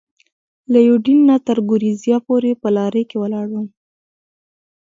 له یوډین نه تر ګورېزیا پورې په لارۍ کې ولاړم.